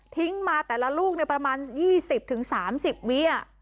มาแต่ละลูกประมาณ๒๐๓๐วิ